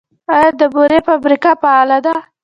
آیا د بورې فابریکه فعاله ده؟